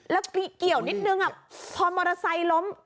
แล้วเกี่ยวนิดนึงพอมอเตอร์ไซค์ล้ม